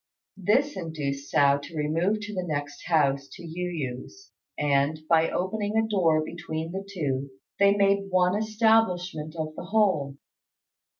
This induced Hsiao to remove to the next house to Yu yü's, and, by opening a door between the two, they made one establishment of the whole.